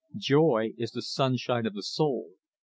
Joy is the sunshine of the soul.